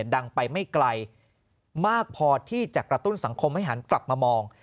ดังไปไม่ไกลมากพอที่จะกระตุ้นสังคมให้หันกลับมามอง